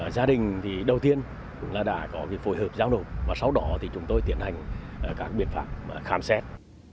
gia đình đầu tiên cũng đã có phối hợp giao nộp và sau đó chúng tôi tiến hành các biện phạm khám xét